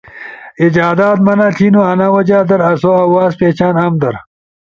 ایجادات منع تھینو، انا وجہ در آسو آواز پہچان عام در